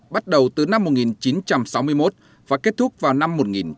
bắt đầu từ năm một nghìn chín trăm sáu mươi một và kết thúc vào năm một nghìn chín trăm bảy mươi